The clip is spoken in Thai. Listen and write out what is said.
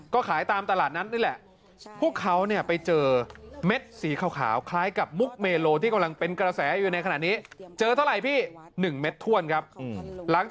ก็ขายตามตลาดนั้นนี่แหละ